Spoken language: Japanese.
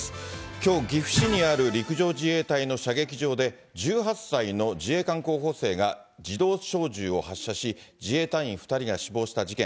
きょう、岐阜市にある陸上自衛隊の射撃場で、１８歳の自衛官候補生が自動小銃を発射し、自衛隊員２人が死亡した事件。